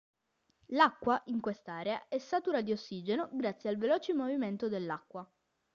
L'acqua in questa area è satura di ossigeno, grazie al veloce movimento dell'acqua.